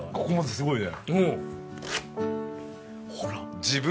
すごいね！